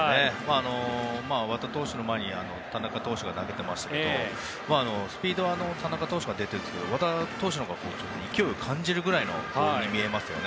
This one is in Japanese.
和田投手の前に田中投手が投げていましたけどスピードは田中投手が出ていますけど和田投手のほうが勢いを感じるボールに見えますよね。